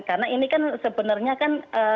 karena ini kan sebenarnya kan